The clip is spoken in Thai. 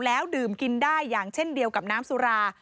แล้วดื่มกินได้อย่างเช่นเดียวกับน้ำสุรา